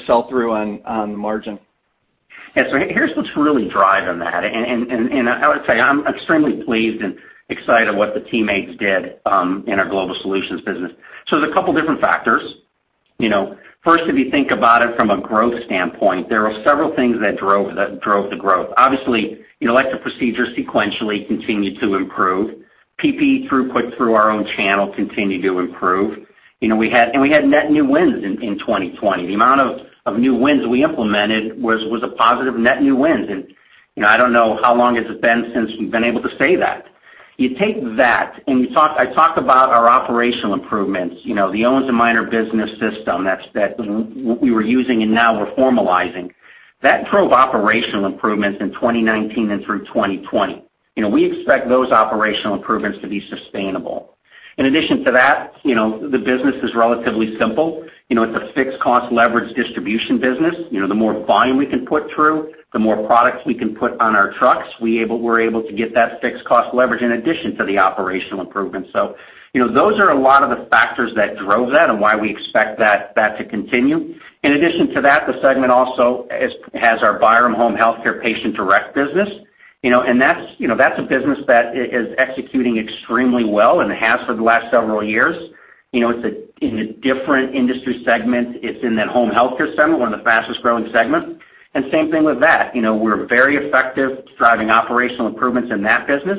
sell-through on the margin?
Yeah. Here's what's really driving that. I would say, I'm extremely pleased and excited what the teammates did in our Global Solutions business. There's a couple different factors. First, if you think about it from a growth standpoint, there are several things that drove the growth. Obviously, elective procedures sequentially continued to improve. PPE throughput through our own channel continued to improve. We had net new wins in 2020. The amount of new wins we implemented was a positive net new wins, and I don't know how long has it been since we've been able to say that? You take that, I talk about our operational improvements, the Owens & Minor Business System that we were using and now we're formalizing. That drove operational improvements in 2019 and through 2020. We expect those operational improvements to be sustainable. In addition to that, the business is relatively simple. It's a fixed cost leverage distribution business. The more volume we can put through, the more products we can put on our trucks, we're able to get that fixed cost leverage in addition to the operational improvements. Those are a lot of the factors that drove that and why we expect that to continue. In addition to that, the segment also has our Byram Home Healthcare patient direct business. That's a business that is executing extremely well and has for the last several years. It's in a different industry segment. It's in that home healthcare segment, one of the fastest-growing segments. Same thing with that, we're very effective driving operational improvements in that business.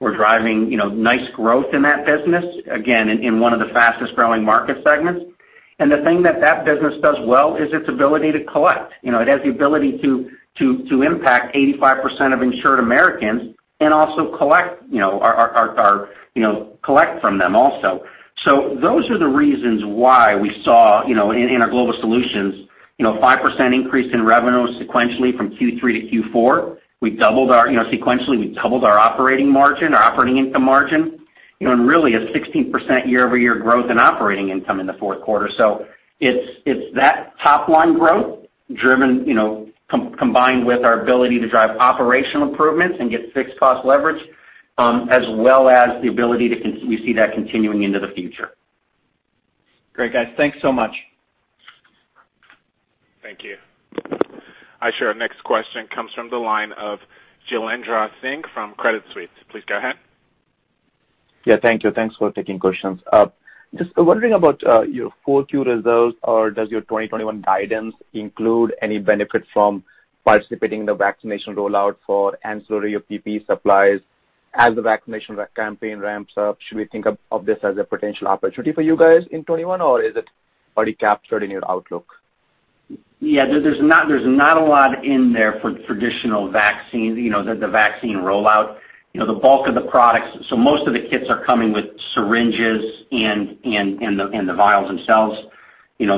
We're driving nice growth in that business, again, in one of the fastest-growing market segments. The thing that that business does well is its ability to collect. It has the ability to impact 85% of insured Americans and also collect from them also. Those are the reasons why we saw, in our Global Solutions, a 5% increase in revenue sequentially from Q3 to Q4. Sequentially, we've doubled our operating margin, our operating income margin, and really a 16% year-over-year growth in operating income in the fourth quarter. It's that top line growth combined with our ability to drive operational improvements and get fixed cost leverage, as well as the ability we see that continuing into the future.
Great, guys. Thanks so much.
Thank you. Our next question comes from the line of Jailendra Singh from Credit Suisse. Please go ahead.
Thank you. Thanks for taking questions. I'm just wondering about your Q4 results. Does your 2021 guidance include any benefit from participating in the vaccination rollout for ancillary or PPE supplies as the vaccination campaign ramps up? Should we think of this as a potential opportunity for you guys in 2021, or is it already captured in your outlook?
Yeah, there's not a lot in there for traditional vaccines, the vaccine rollout. The bulk of the products, so most of the kits are coming with syringes and the vials themselves. It's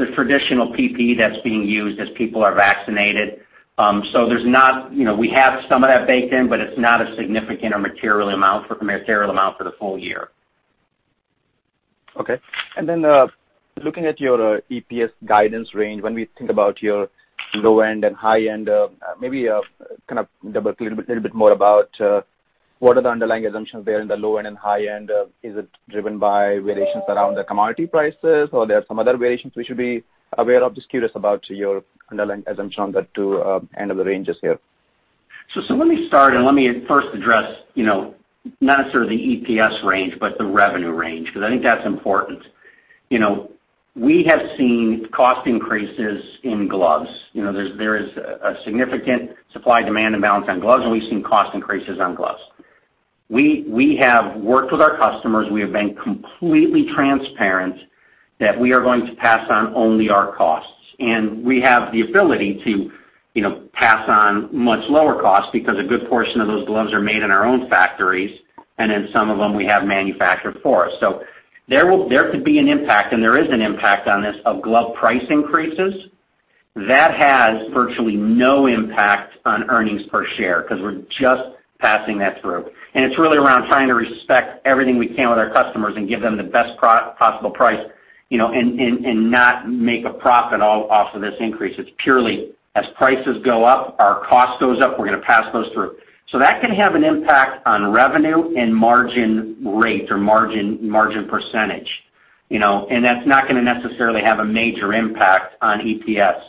the traditional PPE that's being used as people are vaccinated. We have some of that baked in, but it's not a significant or material amount for the full year.
Okay. Looking at your EPS guidance range, when we think about your low end and high end, maybe kind of talk a little bit more about what are the underlying assumptions there in the low end and high end? Is it driven by variations around the commodity prices, or there are some other variations we should be aware of? Just curious about your underlying assumption on the two end of the ranges here.
Let me start, and let me first address not necessarily the EPS range, but the revenue range, because I think that's important. We have seen cost increases in gloves. There is a significant supply-demand imbalance on gloves, and we've seen cost increases on gloves. We have worked with our customers. We have been completely transparent that we are going to pass on only our costs. We have the ability to pass on much lower costs because a good portion of those gloves are made in our own factories, and then some of them we have manufactured for us. There could be an impact, and there is an impact on this of glove price increases. That has virtually no impact on earnings per share because we're just passing that through. It's really around trying to respect everything we can with our customers and give them the best possible price, and not make a profit off of this increase. It's purely as prices go up, our cost goes up, we're going to pass those through. That can have an impact on revenue and margin rate or margin percentage. That's not going to necessarily have a major impact on EPS.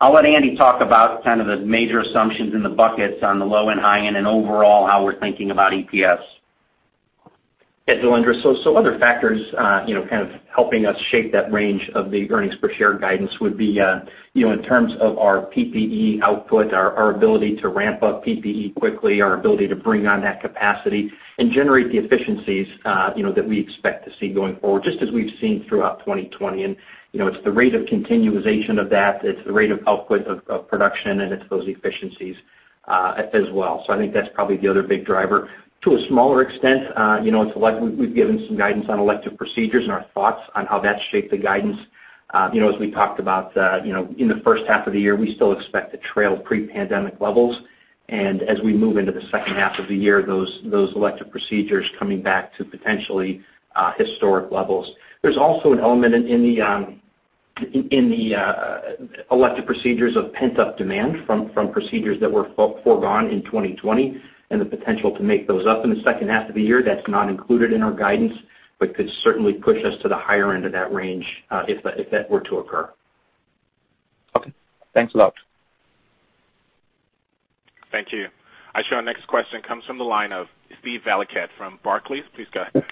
I'll let Andy talk about kind of the major assumptions in the buckets on the low and high end, and overall how we're thinking about EPS.
Yeah, Jailendra. Other factors kind of helping us shape that range of the earnings per share guidance would be in terms of our PPE output, our ability to ramp up PPE quickly, our ability to bring on that capacity and generate the efficiencies that we expect to see going forward, just as we've seen throughout 2020. It's the rate of continualization of that, it's the rate of output of production, and it's those efficiencies as well. I think that's probably the other big driver. To a smaller extent, we've given some guidance on elective procedures and our thoughts on how that shaped the guidance. As we talked about in the first half of the year, we still expect to trail pre-pandemic levels. As we move into the second half of the year, those elective procedures coming back to potentially historic levels. There's also an element in the elective procedures of pent-up demand from procedures that were foregone in 2020, and the potential to make those up in the second half of the year. That's not included in our guidance, but could certainly push us to the higher end of that range if that were to occur.
Okay. Thanks a lot.
Thank you. I show our next question comes from the line of Steve Valiquette from Barclays. Please go ahead.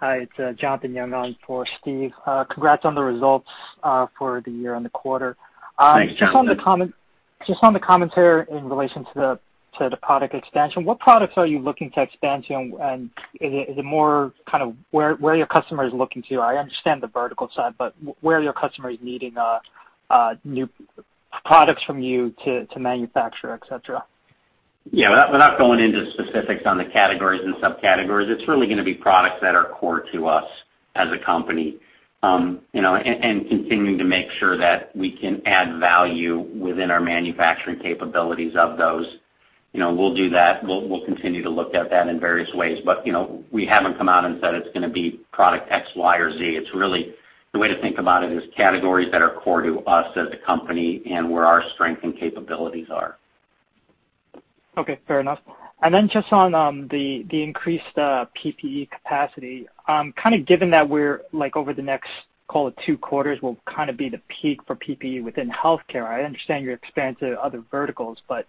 Hi, it's Jonathan Yong on for Steve. Congrats on the results for the year and the quarter.
Thank you, Jonathan.
Just on the commentary in relation to the product expansion, what products are you looking to expand to? Is it more kind of where your customer is looking to? I understand the vertical side, but where are your customers needing new products from you to manufacture, et cetera?
Yeah. Without going into specifics on the categories and subcategories, it's really going to be products that are core to us as a company. Continuing to make sure that we can add value within our manufacturing capabilities of those. We'll do that. We'll continue to look at that in various ways. We haven't come out and said it's going to be product X, Y, or Z. It's really, the way to think about it is categories that are core to us as a company and where our strength and capabilities are.
Okay, fair enough. Just on the increased PPE capacity. Kind of given that we're like over the next, call it two quarters, will kind of be the peak for PPE within healthcare. I understand your expanse of other verticals, but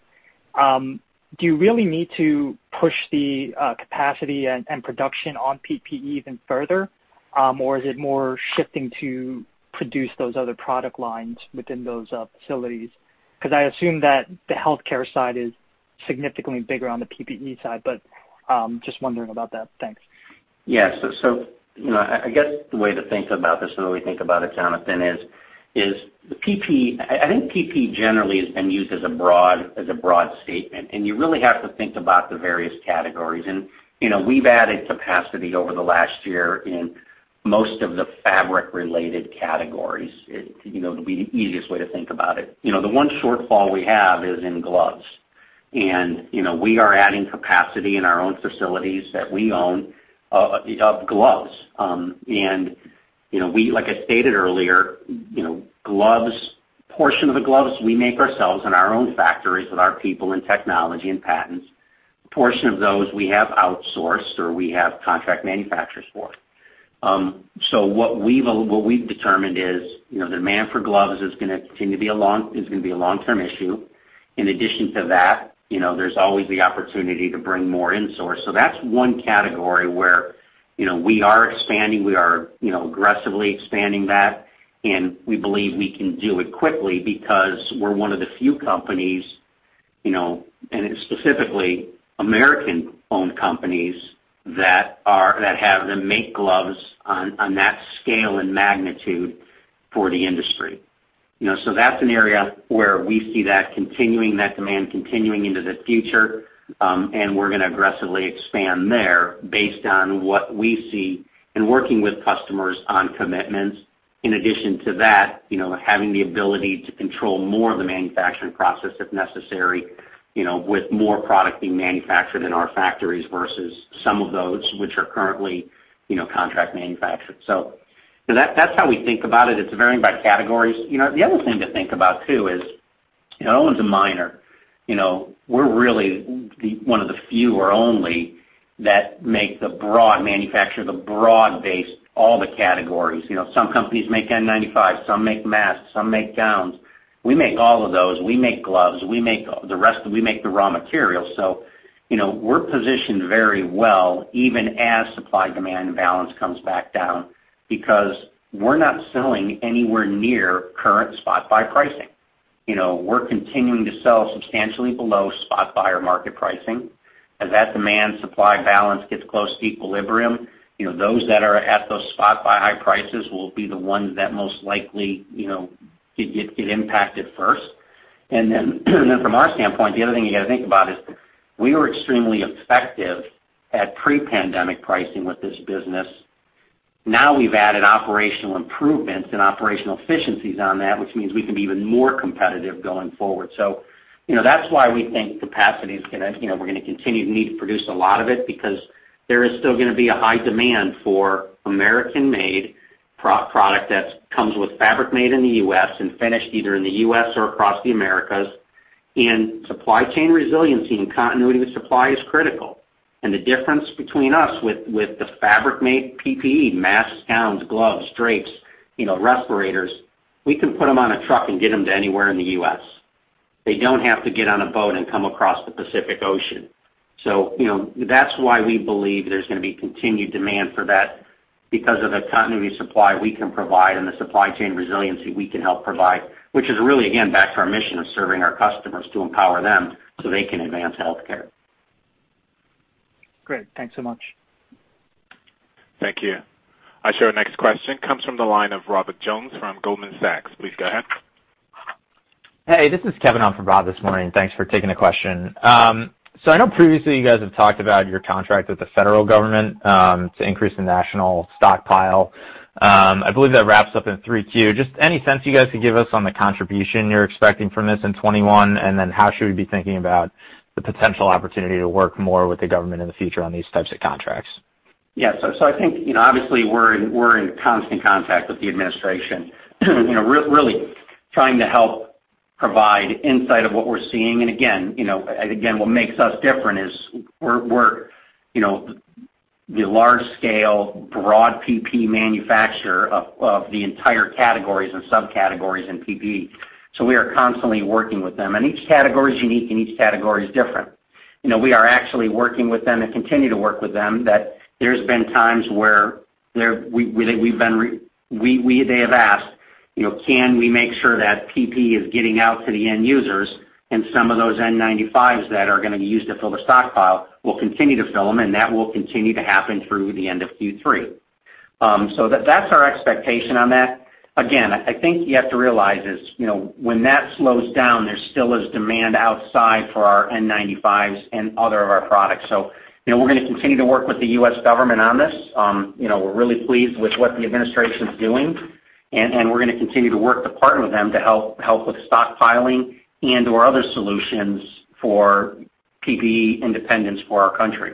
do you really need to push the capacity and production on PPE even further? Or is it more shifting to produce those other product lines within those facilities? Because I assume that the healthcare side is significantly bigger on the PPE side, but just wondering about that. Thanks.
I guess the way to think about this, the way we think about it, Jonathan, is I think PPE generally has been used as a broad statement, and you really have to think about the various categories. We've added capacity over the last year in most of the fabric-related categories. It'd be the easiest way to think about it. The one shortfall we have is in gloves, and we are adding capacity in our own facilities that we own of gloves. Like I stated earlier, a portion of the gloves we make ourselves in our own factories with our people and technology and patents. A portion of those we have outsourced or we have contract manufacturers for. What we've determined is, the demand for gloves is going to be a long-term issue. In addition to that, there's always the opportunity to bring more insource. That's one category where we are expanding. We are aggressively expanding that, and we believe we can do it quickly because we're one of the few companies, and specifically American-owned companies, that have to make gloves on that scale and magnitude for the industry. That's an area where we see that demand continuing into the future. We're going to aggressively expand there based on what we see in working with customers on commitments. In addition to that, having the ability to control more of the manufacturing process if necessary, with more product being manufactured in our factories versus some of those which are currently contract manufactured. That's how we think about it. It's varying by categories. The other thing to think about too is, Owens & Minor, we're really one of the few or only that manufacture the broad base, all the categories. Some companies make N95, some make masks, some make gowns. We make all of those. We make gloves. We make the raw materials. We're positioned very well even as supply-demand balance comes back down because we're not selling anywhere near current spot buy pricing. We're continuing to sell substantially below spot buy or market pricing. As that demand supply balance gets close to equilibrium, those that are at those spot buy high prices will be the ones that most likely get impacted first. From our standpoint, the other thing you got to think about is we were extremely effective at pre-pandemic pricing with this business. Now we've added operational improvements and operational efficiencies on that, which means we can be even more competitive going forward. That's why we think capacity we're going to continue to need to produce a lot of it because there is still going to be a high demand for American-made product that comes with fabric made in the U.S. and finished either in the U.S. or across the Americas. In supply chain resiliency and continuity of supply is critical. The difference between us with the fabric-made PPE, masks, gowns, gloves, drapes, respirators, we can put them on a truck and get them to anywhere in the U.S. They don't have to get on a boat and come across the Pacific Ocean. That's why we believe there's going to be continued demand for that, because of the continuity of supply we can provide and the supply chain resiliency we can help provide, which is really, again, back to our mission of serving our customers to empower them so they can advance healthcare.
Great. Thanks so much.
Thank you. I show our next question comes from the line of Robert Jones from Goldman Sachs. Please go ahead.
Hey, this is Kevin on for Rob this morning. Thanks for taking the question. I know previously you guys have talked about your contract with the federal government, to increase the national stockpile. I believe that wraps up in 3Q. Just any sense you guys could give us on the contribution you're expecting from this in 2021, and then how should we be thinking about the potential opportunity to work more with the government in the future on these types of contracts?
I think, obviously we're in constant contact with the administration, really trying to help provide insight of what we're seeing. Again, what makes us different is we're the large scale broad PPE manufacturer of the entire categories and subcategories in PPE. We are constantly working with them, and each category is unique, and each category is different. We are actually working with them and continue to work with them, that there's been times where they have asked, "Can we make sure that PPE is getting out to the end users?" Some of those N95s that are going to be used to fill the stockpile will continue to fill them, and that will continue to happen through the end of Q3. That's our expectation on that. Again, I think you have to realize is, when that slows down, there still is demand outside for our N95s and other of our products. We're going to continue to work with the U.S. government on this. We're really pleased with what the administration's doing, and we're going to continue to work to partner with them to help with stockpiling and/or other solutions for PPE independence for our country.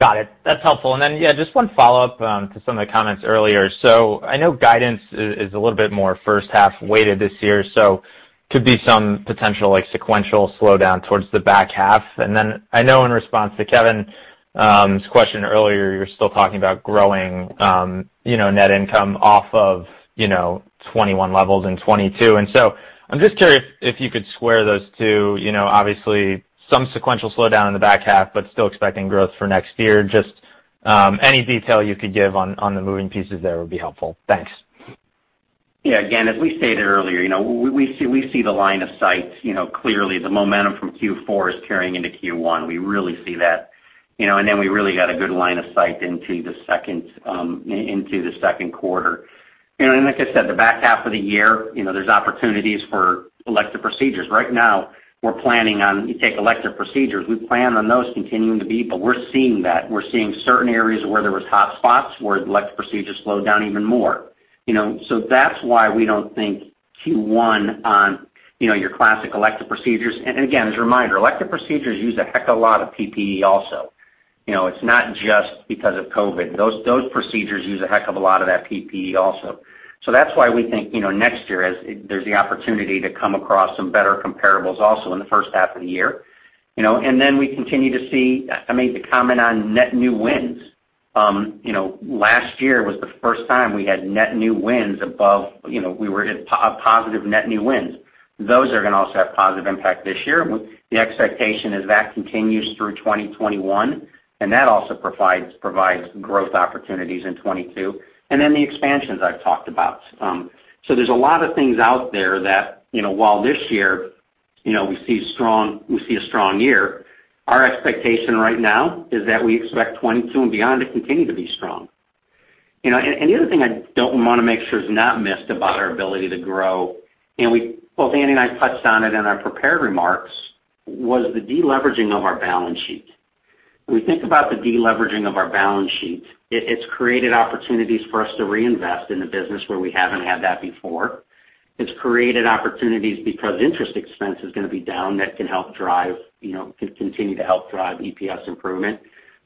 Got it. That's helpful. Just one follow-up to some of the comments earlier. I know guidance is a little bit more first half weighted this year, so could be some potential like sequential slowdown towards the back half. I know in response to Kevin's question earlier, you're still talking about growing net income off of 2021 levels in 2022. I'm just curious if you could square those two, obviously some sequential slowdown in the back half, but still expecting growth for next year. Any detail you could give on the moving pieces there would be helpful. Thanks.
Again, as we stated earlier, we see the line of sight, clearly the momentum from Q4 is carrying into Q1. We really see that. Then we really got a good line of sight into the second quarter. Like I said, the back half of the year, there's opportunities for elective procedures. Right now, we're planning on, you take elective procedures, we plan on those continuing to be, but we're seeing that. We're seeing certain areas where there was hotspots where elective procedures slowed down even more. That's why we don't think Q1 on your classic elective procedures, and again, as a reminder, elective procedures use a heck of a lot of PPE also. It's not just because of COVID. Those procedures use a heck of a lot of that PPE also. That's why we think next year there's the opportunity to come across some better comparables also in the first half of the year. Then we continue to see, I made the comment on net new wins. Last year was the first time we had net new wins. We were at positive net new wins. Those are going to also have positive impact this year. The expectation is that continues through 2021, and that also provides growth opportunities in 2022. Then the expansions I've talked about. There's a lot of things out there that, while this year, we see a strong year. Our expectation right now is that we expect 2022 and beyond to continue to be strong. The other thing I want to make sure is not missed about our ability to grow, both Andy and I touched on it in our prepared remarks, was the de-leveraging of our balance sheet. When we think about the de-leveraging of our balance sheet, it's created opportunities for us to reinvest in the business where we haven't had that before. It's created opportunities because interest expense is going to be down that can continue to help drive EPS improvement.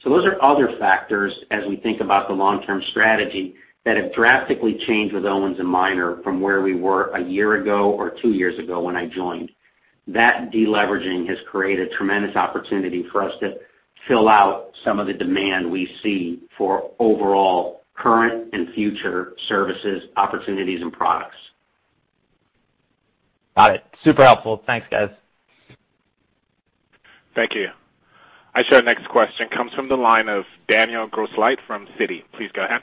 Those are other factors as we think about the long-term strategy that have drastically changed with Owens & Minor from where we were a year ago or two years ago when I joined. That de-leveraging has created tremendous opportunity for us to fill out some of the demand we see for overall current and future services, opportunities, and products.
Got it. Super helpful. Thanks, guys.
Thank you. I show our next question comes from the line of Daniel Grosslight from Citi. Please go ahead.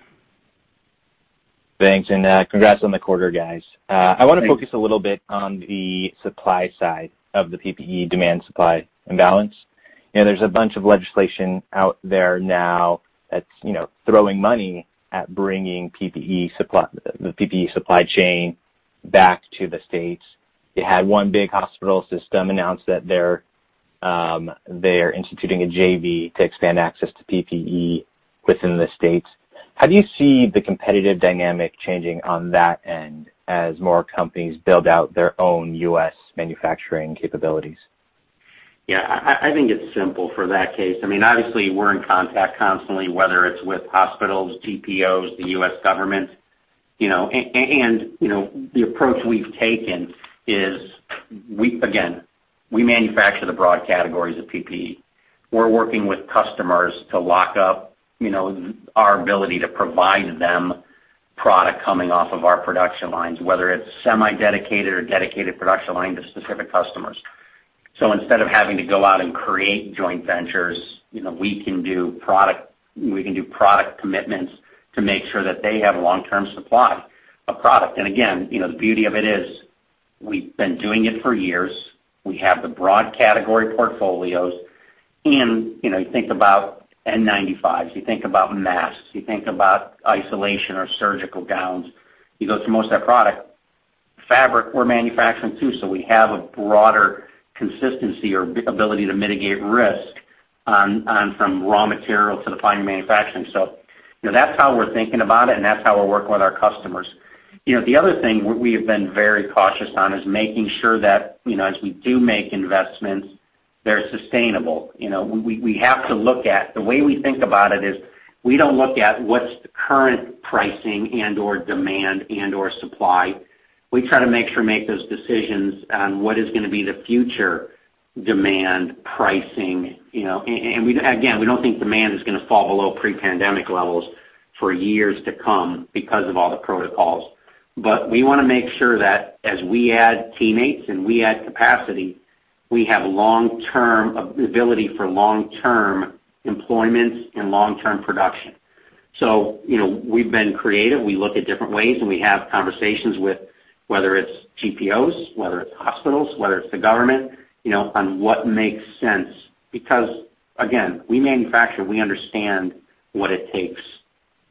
Thanks, and congrats on the quarter, guys.
Thanks.
I want to focus a little bit on the supply side of the PPE demand supply imbalance. There's a bunch of legislation out there now that's throwing money at bringing the PPE supply chain back to the States. You had one big hospital system announce that they're instituting a JV to expand access to PPE within the States. How do you see the competitive dynamic changing on that end as more companies build out their own U.S. manufacturing capabilities?
Yeah, I think it's simple for that case. Obviously, we're in contact constantly, whether it's with hospitals, GPOs, the US government. The approach we've taken is, again, we manufacture the broad categories of PPE. We're working with customers to lock up our ability to provide them product coming off of our production lines, whether it's semi-dedicated or dedicated production line to specific customers. Instead of having to go out and create joint ventures, we can do product commitments to make sure that they have long-term supply of product. Again, the beauty of it is, we've been doing it for years. We have the broad category portfolios. You think about N95s, you think about masks, you think about isolation or surgical gowns. You go to most of that product, fabric we're manufacturing, too, so we have a broader consistency or ability to mitigate risk on some raw material to the final manufacturing. That's how we're thinking about it, and that's how we're working with our customers. The other thing we have been very cautious on is making sure that as we do make investments, they're sustainable. The way we think about it is, we don't look at what's the current pricing and/or demand and/or supply. We try to make sure to make those decisions on what is going to be the future demand pricing. Again, we don't think demand is going to fall below pre-pandemic levels for years to come because of all the protocols. We want to make sure that as we add teammates and we add capacity, we have the ability for long-term employments and long-term production. We've been creative. We look at different ways, and we have conversations with whether it's GPOs, whether it's hospitals, whether it's the government, on what makes sense. Again, we manufacture, we understand what it takes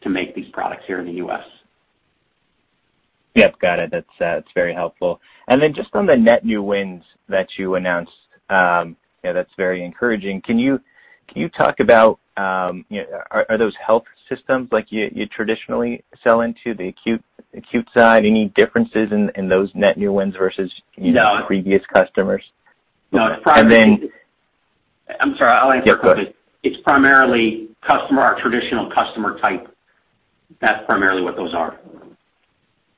to make these products here in the U.S.
Yep, got it. That's very helpful. Just on the net new wins that you announced, that's very encouraging. Are those health systems like you traditionally sell into the acute side? Any differences in those net new wins versus-
No
previous customers?
No.
And then-
I'm sorry, I'll answer real quick.
Yeah, go ahead.
It's primarily our traditional customer type. That's primarily what those are.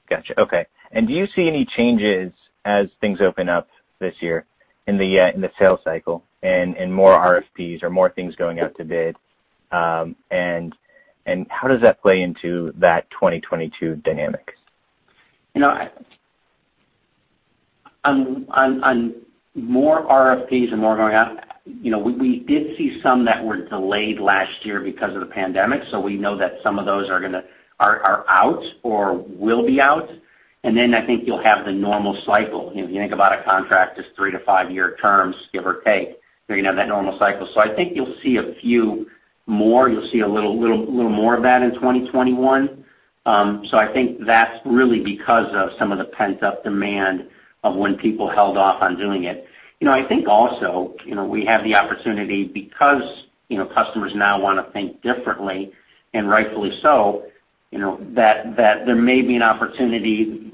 Got you. Okay. Do you see any changes as things open up this year in the sales cycle and in more RFPs or more things going out to bid? How does that play into that 2022 dynamic?
On more RFPs and more going out, we did see some that were delayed last year because of the pandemic, so we know that some of those are out or will be out. I think you'll have the normal cycle. If you think about a contract is three to five-year terms, give or take, you're going to have that normal cycle. I think you'll see a few more. You'll see a little more of that in 2021. I think that's really because of some of the pent-up demand of when people held off on doing it. I think also, we have the opportunity because customers now want to think differently, and rightfully so, that there may be an opportunity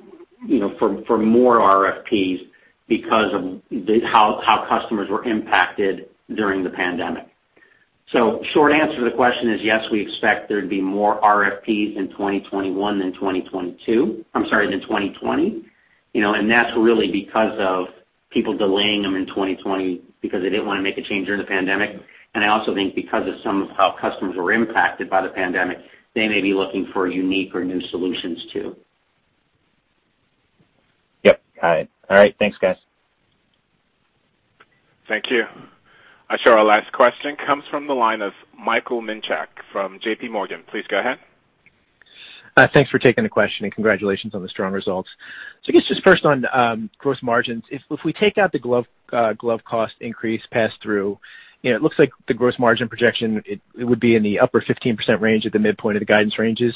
for more RFPs because of how customers were impacted during the pandemic. Short answer to the question is, yes, we expect there to be more RFPs in 2021 than 2020. That's really because of people delaying them in 2020 because they didn't want to make a change during the pandemic. I also think because of some of how customers were impacted by the pandemic, they may be looking for unique or new solutions, too.
Yep, got it. All right. Thanks, guys.
Thank you. I show our last question comes from the line of Michael Minchak from JPMorgan. Please go ahead.
Thanks for taking the question, and congratulations on the strong results. I guess just first on gross margins. If we take out the glove cost increase pass-through, it looks like the gross margin projection, it would be in the upper 15% range at the midpoint of the guidance ranges.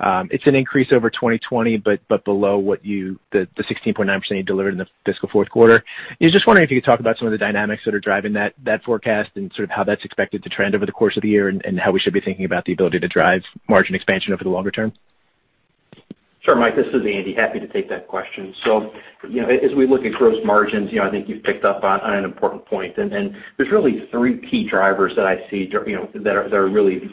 It's an increase over 2020, but below the 16.9% you delivered in the fiscal fourth quarter. I was just wondering if you could talk about some of the dynamics that are driving that forecast and sort of how that's expected to trend over the course of the year and how we should be thinking about the ability to drive margin expansion over the longer term.
Sure, Mike, this is Andy. Happy to take that question. As we look at gross margins, I think you've picked up on an important point. There's really three key drivers that I see that are really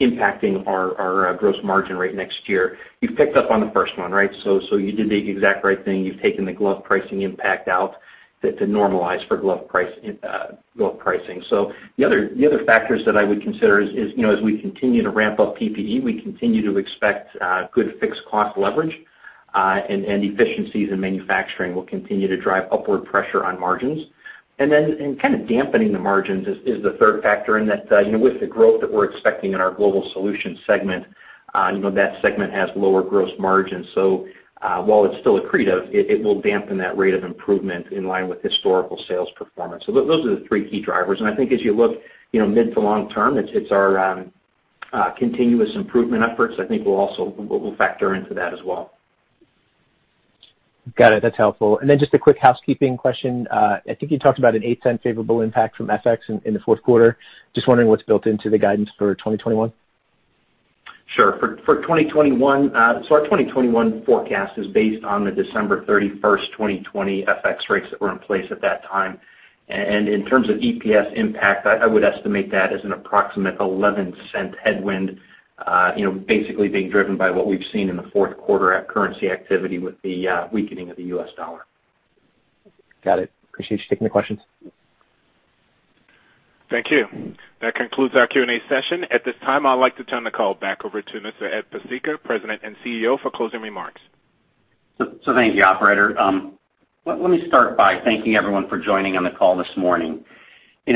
impacting our gross margin rate next year. You've picked up on the first one, right? You did the exact right thing. You've taken the glove pricing impact out to normalize for glove pricing. The other factors that I would consider is, as we continue to ramp up PPE, we continue to expect good fixed cost leverage, and efficiencies in manufacturing will continue to drive upward pressure on margins. Then kind of dampening the margins is the third factor, and that with the growth that we're expecting in our Global Solutions segment, that segment has lower gross margins. While it's still accretive, it will dampen that rate of improvement in line with historical sales performance. Those are the three key drivers. I think as you look mid to long term, it's our continuous improvement efforts I think will factor into that as well.
Got it. That's helpful. Just a quick housekeeping question. I think you talked about a $0.08 favorable impact from FX in the fourth quarter. Just wondering what's built into the guidance for 2021.
Sure. Our 2021 forecast is based on the December 31st, 2020 FX rates that were in place at that time. In terms of EPS impact, I would estimate that as an approximate $0.11 headwind, basically being driven by what we've seen in the fourth quarter at currency activity with the weakening of the U.S. dollar.
Got it. Appreciate you taking the questions.
Thank you. That concludes our Q&A session. At this time, I'd like to turn the call back over to Mr. Ed Pesicka, President and CEO, for closing remarks.
Thank you, operator. Let me start by thanking everyone for joining on the call this morning.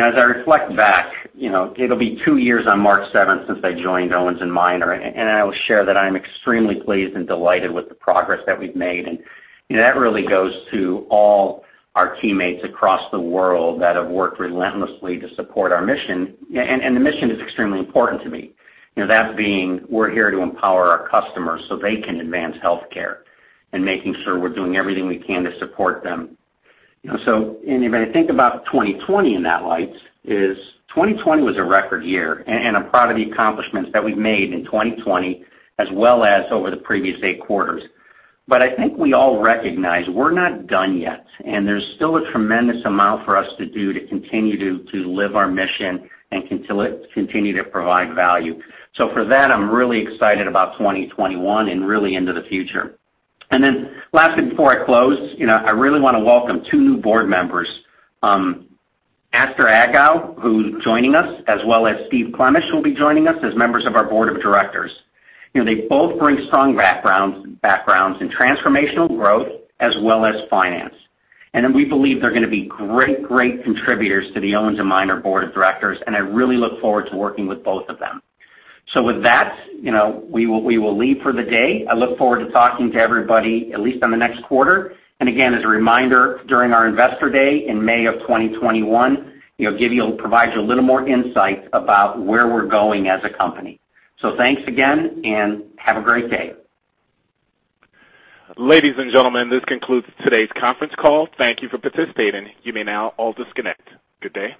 As I reflect back, it'll be two years on March 7th since I joined Owens & Minor, and I will share that I am extremely pleased and delighted with the progress that we've made. That really goes to all our teammates across the world that have worked relentlessly to support our mission, and the mission is extremely important to me. That being, we're here to empower our customers so they can advance healthcare and making sure we're doing everything we can to support them. When I think about 2020 in that light is, 2020 was a record year, and I'm proud of the accomplishments that we've made in 2020 as well as over the previous eight quarters. I think we all recognize we're not done yet, and there's still a tremendous amount for us to do to continue to live our mission and continue to provide value. For that, I'm really excited about 2021 and really into the future. Lastly, before I close, I really want to welcome two new board members, Aster Angagaw, who's joining us, as well as Stephen Klemash will be joining us as members of our board of directors. They both bring strong backgrounds in transformational growth as well as finance. We believe they're going to be great contributors to the Owens & Minor board of directors, and I really look forward to working with both of them. With that, we will leave for the day. I look forward to talking to everybody, at least on the next quarter. Again, as a reminder, during our Investor Day in May of 2021, provide you a little more insight about where we're going as a company. Thanks again, and have a great day.
Ladies and gentlemen, this concludes today's conference call. Thank you for participating. You may now all disconnect. Good day.